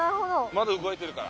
・まだ動いてるから。